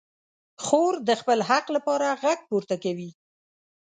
خور د خپل حق لپاره غږ پورته کوي.